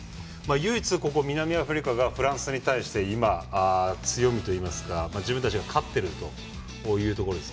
唯一、ここ南アフリカがフランスに対して今、強みといいますか自分たちが勝っているところです。